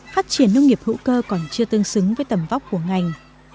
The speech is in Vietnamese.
phát triển nông nghiệp hữu cơ còn chưa tương xứng với tầm vóc của ngành